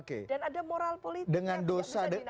dan ada moral politik